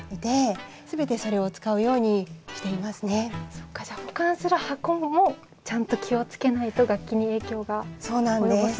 そっかじゃあ保管する箱もちゃんと気を付けないと楽器に影響が及ぼすんですね。